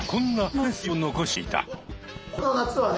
これはね